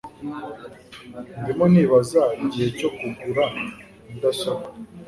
Ndimo nibaza igihe cyo kugura mudasobwa